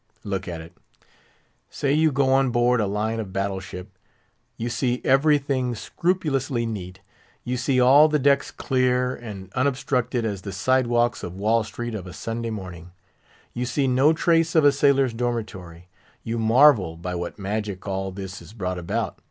Look at it. Say you go on board a line of battle ship: you see everything scrupulously neat; you see all the decks clear and unobstructed as the sidewalks of Wall Street of a Sunday morning; you see no trace of a sailor's dormitory; you marvel by what magic all this is brought about.